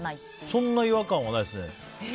そんな違和感はないです。